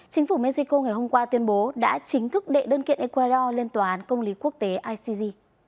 chính phủ mexico ngày hôm qua tuyên bố đã chính thức đệ đơn kiện ecuador lên tòa án công lý quốc tế icg